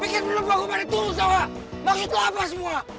pikir lo mau gue pake tukang sama maksud lo apa semua